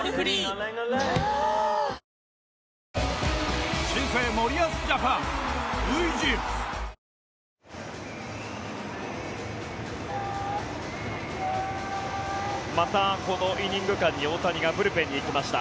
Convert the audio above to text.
ぷはーっまたこのイニング間に大谷がブルペンに行きました。